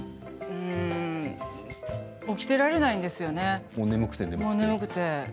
起きてられないんですよね、もう眠くて。